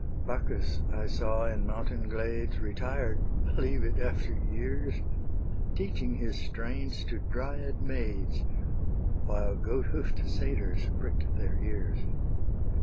Bacchus I saw in mountain glades Retired (believe it, after years!) Teaching his strains to Dryad maids, While goat hoof'd satyrs prick'd their ears.